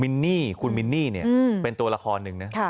มินนี่คุณมินนี่เนี่ยเป็นตัวละครหนึ่งนะครับ